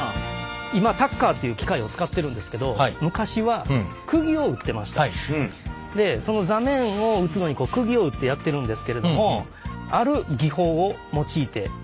今タッカーっていう機械を使ってるんですけどその座面を打つのにくぎを打ってやってるんですけれどもある技法を用いてやります。